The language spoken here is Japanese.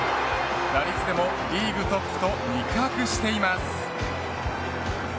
打率でもリーグトップと肉薄しています。